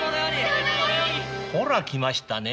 ほら来ましたね。